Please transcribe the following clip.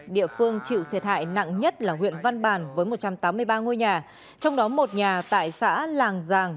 địa phương chịu thiệt hại nặng nhất là huyện văn bàn với một trăm tám mươi ba ngôi nhà trong đó một nhà tại xã làng giàng